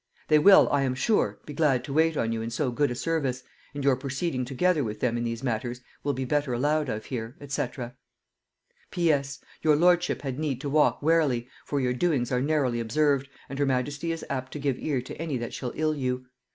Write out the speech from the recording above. They will, I am sure, be glad to wait on you in so good a service, and your proceeding together with them in these matters will be better allowed of here, &c. "P.S. Your lordship had need to walk warily, for your doings are narrowly observed, and her majesty is apt to give ear to any that shall ill you.